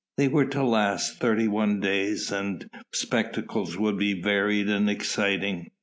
They were to last thirty one days and spectacles would be varied and exciting.